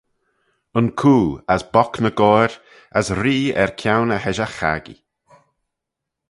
Yn coo, as bock ny goair, as ree er kione e heshaght-chaggee.